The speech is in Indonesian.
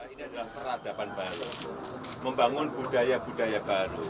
ini adalah peradaban baru membangun budaya budaya baru